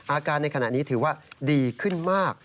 อาการในขณะนี้ถือว่าดีขึ้นมาก